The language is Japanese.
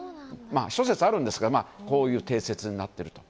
諸説あるんですけどこういう定説になっていると。